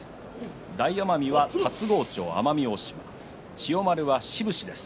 大奄美は龍郷町の奄美大島千代丸は志布志です。